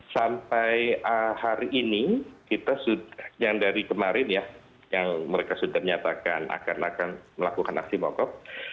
sampai hari ini kita sudah yang dari kemarin ya yang mereka sudah menyatakan akan melakukan aksi mogok